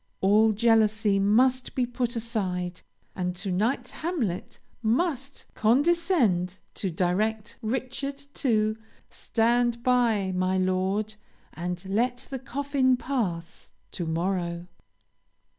All jealousy must be put aside, and to night's Hamlet must condescend to direct Richard to "Stand by, my lord, and let the coffin pass," to morrow.